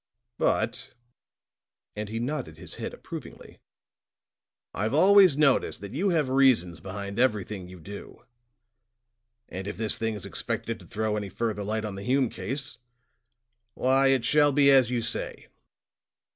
But," and he nodded his head approvingly, "I've always noticed that you have reasons behind everything you do, and if this thing is expected to throw any further light on the Hume case, why, it shall be as you say."